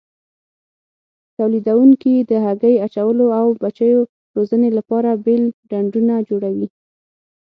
تولیدوونکي د هګۍ اچولو او بچیو روزنې لپاره بېل ډنډونه جوړوي.